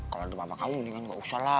kalau rumah kamu mendingan gak usah lah